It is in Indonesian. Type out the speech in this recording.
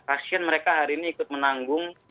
pasien mereka hari ini ikut menanggung